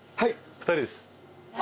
２人です。